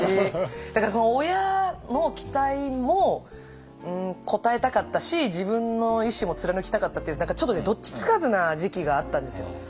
だから親の期待も応えたかったし自分の意志も貫きたかったっていうちょっとどっちつかずな時期があったんですよ。